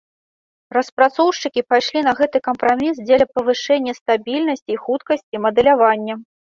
Распрацоўшчыкі пайшлі на гэты кампраміс дзеля павышэння стабільнасці і хуткасці мадэлявання.